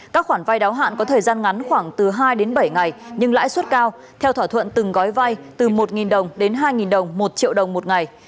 các khoản vay đáo hạn có thời gian ngắn khoảng từ hai đến bảy ngày nhưng lãi suất cao theo thỏa thuận từng gói vai từ một đồng đến hai đồng một triệu đồng một ngày